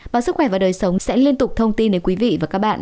báo sức khỏe và đời sống sẽ liên tục thông tin đến quý vị và các bạn